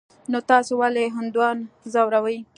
نو تاسې ولي هندوان ځوروئ.